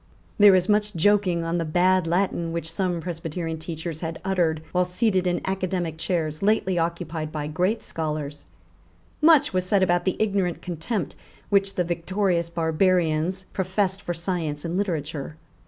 There is much joking on the bad Latin which some Presbyterian teachers had uttered while seated in academic chairs lately occupied by great scholars. Much was said about the ignorant contempt which the victorious barbarians professed for science and literature.